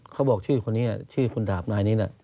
เขาบอกชื่อคนนี้ชื่อคุณดาบนายนี้นะ